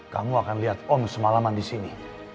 kamu akan lihat om semalaman disini